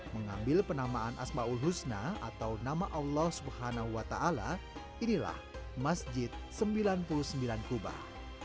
mengambil penamaan ⁇ asmaul ⁇ husna atau nama allah swt inilah masjid sembilan puluh sembilan kubah